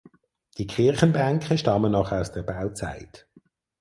Die Kirchenbänke stammen noch aus der Bauzeit.